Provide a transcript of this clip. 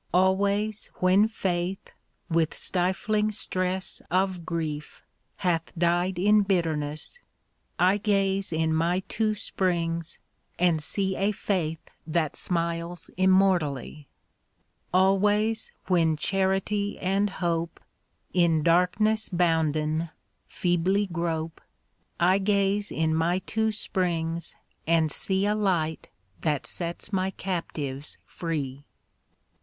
Always when Faith with stifling stress Of grief hath died in bitterness, I gaze in my two springs and see A Faith that smiles immortally. Always when Charity and Hope, In darkness bounden, feebly grope, I gaze in my two springs and see A Light that sets my captives free.